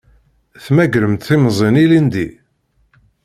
Tmegremt timẓin ilindi?